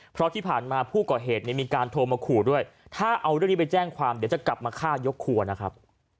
เพราะที่ผ่านมาผู้ก่อเหตุมีการโทรมาขู่ด้วยถ้าเอาเรื่องนี้ไปแจ้งความเดี๋ยวจะกลับมาฆ่ายกครัวนะครับ